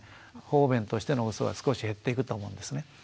方便としてのうそは少し減っていくと思うんですね。